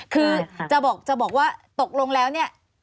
คือจะบอกว่าตกลงแล้วเนี่ย